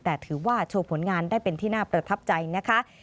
แต่ถือว่าโชว์ผลงานได้เป็นที่น่าประทับใจนะคะ